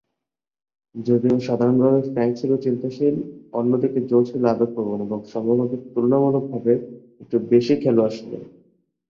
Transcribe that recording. যদিও সাধারণভাবে "ফ্র্যাংক ছিল চিন্তাশীল, অন্যদিকে জো ছিল আবেগপ্রবণ, এবং সম্ভবত তুলনামূলকভাবে একটু বেশি খেলোয়াড়-সুলভ।"